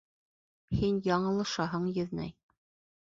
Һин яңылышаһың, еҙнәй.